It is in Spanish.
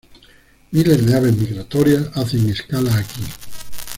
Miles de aves migratorias hacen escala aquí.